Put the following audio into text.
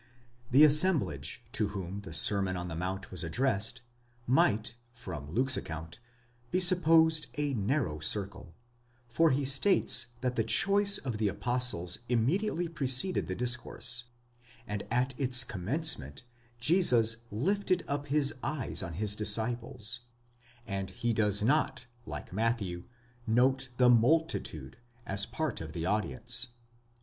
The assemblage to whom the Sermon on the Mount was addressed, might from Luke's account be supposed a narrow circle, for he states that the choice of the apostles immediately preceded the discourse, and that at its commence ment Jesus lifted up his eyes on his disciples, and he does not, like Matthew, note the mu/titude, ὄχλους, as part of the audience.